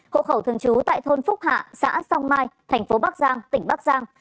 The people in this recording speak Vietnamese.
hộ khẩu thường trú tại thôn phúc hạ xã song mai thành phố bắc giang tỉnh bắc giang